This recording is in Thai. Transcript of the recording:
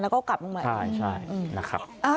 แล้วก็กลับมา